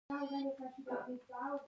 د سپند دانه د بد نظر لپاره دود کړئ